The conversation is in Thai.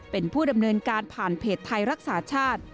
เป็นผู้ดำเนินการผ่านเพจไทยรักษาชาติ